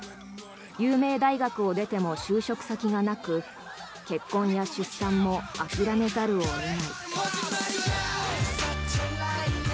有名大学を出ても就職先がなく結婚や出産も諦めざるを得ない。